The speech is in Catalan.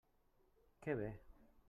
Que bé!